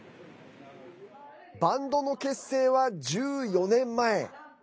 バンドの結成は１４年前。